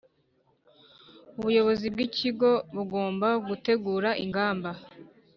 Ubuyobozi bw ikigo bugomba gutegura ingamba